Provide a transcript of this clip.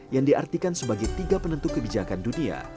yang diartikan sebagai tiga penentu kebijakan dunia